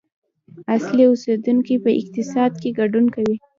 اصلي اوسیدونکي په اقتصاد کې ګډون کوي.